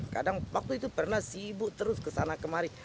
kadang waktu itu pernah sibuk terus kesana kemari